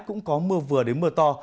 cũng có mưa vừa đến mưa to